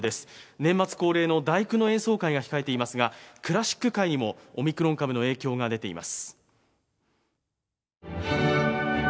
年末恒例の「第九」の演奏会が控えていますが、クラシック界にも、オミクロン株の影響が出ています。